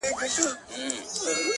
هغه مړ له مــسته واره دى لوېـدلى;